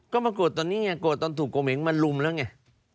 ก็มาโกรธตอนนี้ไงโกรธตอนถูกโกเหงมันลุมแล้วไง